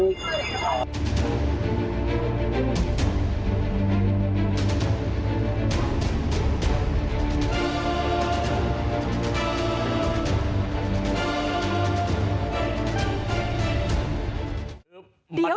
มันไหม้แล้ว